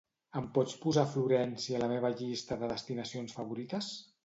Em pots posar Florència a la meva llista de destinacions favorites?